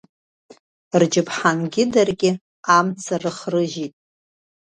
Рџьаԥҳангьы даргьы амца рыхрыжьит.